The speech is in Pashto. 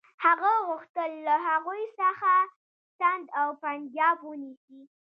هغه غوښتل له هغوی څخه سند او پنجاب ونیسي.